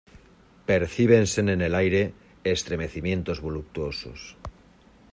percíbense en el aire estremecimientos voluptuosos: